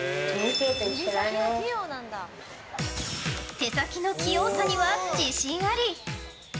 手先の器用さには自信あり！